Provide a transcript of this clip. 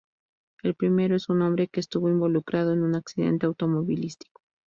El primero es un hombre que estuvo involucrado en un accidente automovilístico.